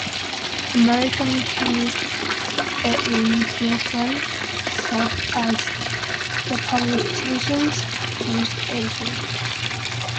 American chemist Edwin Slosson served as the publication's first editor.